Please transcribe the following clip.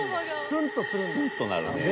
［スンとなるねぇ］